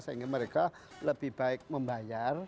saya ingin mereka lebih baik membayar